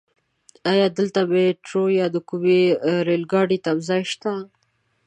ايا دلته ميټرو يا د کومې رايل ګاډی تمځای شته؟